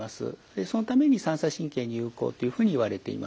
でそのために三叉神経に有効っていうふうにいわれています。